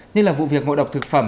như là vụ việc ngộ độc thực phẩm